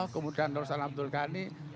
kemudian nursa nabdulkani